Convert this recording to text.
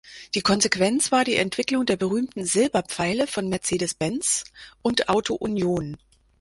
Die Konsequenz war die Entwicklung der berühmten Silberpfeile von Mercedes-Benz und Auto Union.